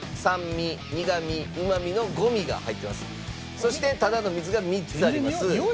そしてただの水が３つあります。